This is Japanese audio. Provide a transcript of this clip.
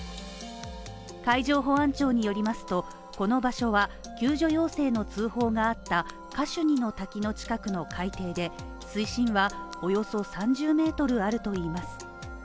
海上保安庁によりますと、この場所は救助要請の通報があったカシュニの滝の近くの海底で水深はおよそ３０ｍあるといいます。